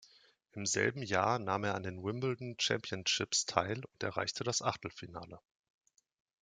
Im selben Jahr nahm er an den Wimbledon Championships teil und erreichte das Achtelfinale.